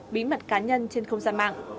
bí mật cá nhân trên không gian mạng